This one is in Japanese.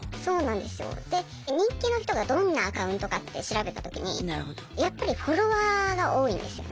で人気の人がどんなアカウントかって調べた時にやっぱりフォロワーが多いんですよね。